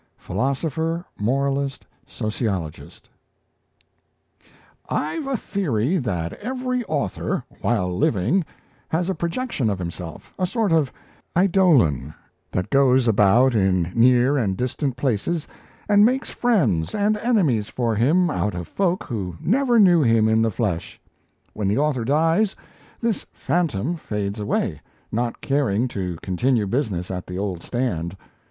PHILOSOPHER, MORALIST, SOCIOLOGIST "I've a theory that every author, while living, has a projection of himself, a sort of eidolon, that goes about in near and distant places, and makes friends and enemies for him out of folk who never knew him in the flesh. When the author dies, this phantom fades away, not caring to continue business at the old stand.